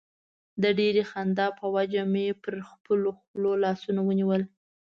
د ډېرې خندا په وجه مو پر خپلو خولو لاسونه ونیول.